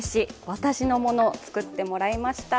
私のもの、作ってもらいました。